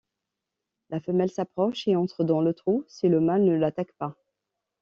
La femelle s'approche et entre dans le trou si le mâle ne l'attaque pas.